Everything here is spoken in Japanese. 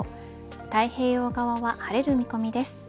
太平洋側は晴れる見込みです。